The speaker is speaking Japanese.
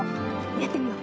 やってみよう。